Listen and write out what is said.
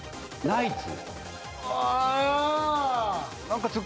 ナイツ。